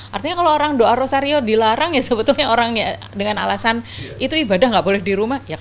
artinya kalau orang doa rosario dilarang ya sebetulnya orangnya dengan alasan itu ibadah nggak boleh di rumah ya